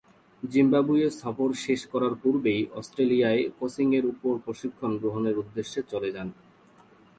Zimbabwe সফর শেষ করার পূর্বেই অস্ট্রেলিয়ায় কোচিংয়ের উপর প্রশিক্ষণ গ্রহণের উদ্দেশ্য চলে যান।